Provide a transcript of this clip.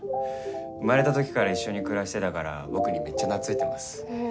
生まれた時から一緒に暮らしてたから僕にめっちゃ懐いてます。